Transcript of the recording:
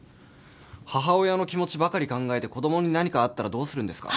母親の気持ちばかり考えて子供に何かあったらどうするんですか？